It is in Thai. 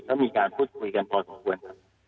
ก็มีการพูดคุยกันพอสมควรครับ